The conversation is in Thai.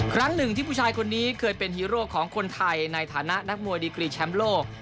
ครั้งหนึ่งที่ผู้ชายคนนี้เคยเป็นฮีโร่ของคนไทยในฐานะนักมวยดีกรีแชมป์โลก